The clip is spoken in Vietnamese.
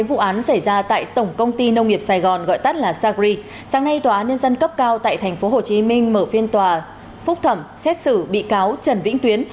nhi nông nghiệp sài gòn gọi tắt là sagri sáng nay tòa án nhân dân cấp cao tại tp hcm mở phiên tòa phúc thẩm xét xử bị cáo trần vĩnh tuyến